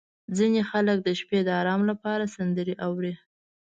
• ځینې خلک د شپې د ارام لپاره سندرې اوري.